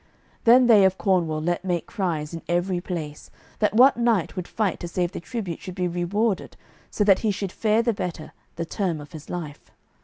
Then they of Cornwall let make cries in every place, that what knight would fight to save the tribute should be rewarded so that he should fare the better the term of his life.